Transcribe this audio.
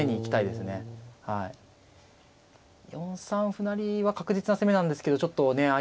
４三歩成は確実な攻めなんですけどちょっとね